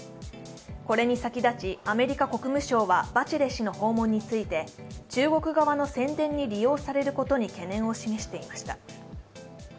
これに先立ちアメリカ国務省はバチェレ氏の訪問に対して中国側の宣伝に利用されることに懸念を示していました。